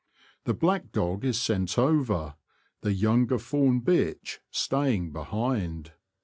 The black dog is sent over, the younger fawn bitch staying behind.